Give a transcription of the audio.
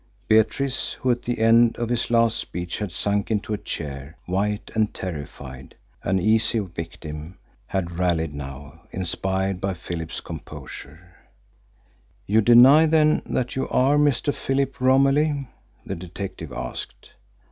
Beatrice, who at the end of his last speech had sunk into a chair, white and terrified, an easy victim, had rallied now, inspired by Philip's composure. "You deny, then, that you are Mr. Philip Romilly?" the detective asked.